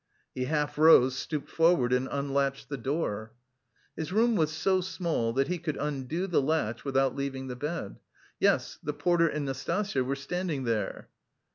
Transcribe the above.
He half rose, stooped forward and unlatched the door. His room was so small that he could undo the latch without leaving the bed. Yes; the porter and Nastasya were standing there.